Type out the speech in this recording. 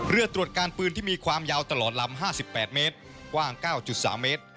เรือตรวจการปืนที่มีความยาวตลอดลำห้าสิบแปดเมตรกว้างเก้าจุดสามเมตร